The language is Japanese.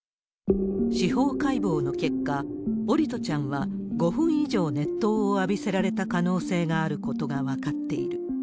司法解剖の結果、桜利斗ちゃんは５分以上熱湯を浴びせられた可能性があることが分かっている。